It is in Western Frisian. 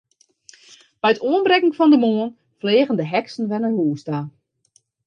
By it oanbrekken fan de moarn fleagen de heksen wer nei hús ta.